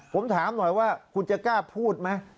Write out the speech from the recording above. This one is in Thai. ผมถามหน่อยว่าคุณจะกล้าพูดไหม